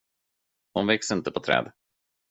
De växer inte på träd.